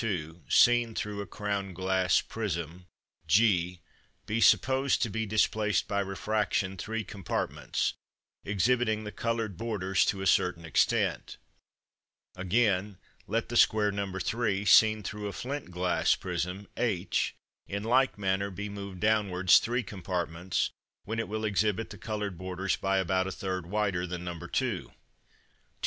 2, seen through a crown glass prism g, be supposed to be displaced by refraction three compartments, exhibiting the coloured borders to a certain extent; again, let the square No. 3, seen through a flint glass prism h, in like manner be moved downwards three compartments, when it will exhibit the coloured borders by about a third wider than No.